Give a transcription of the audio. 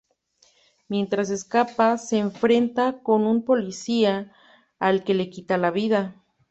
Mientras escapa, se enfrenta con un policía, al que le quita la vida.